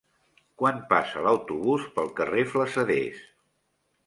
Quan passa l'autobús pel carrer Flassaders?